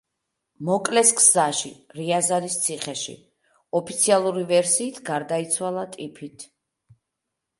მოკლეს გზაში, რიაზანის ციხეში; ოფიციალური ვერსიით გარდაიცვალა ტიფით.